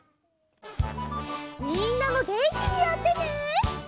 みんなもげんきにやってね！